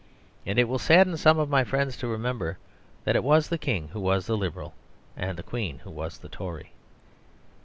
And it will sadden some of my friends to remember that it was the king who was the Liberal and the queen who was the Tory.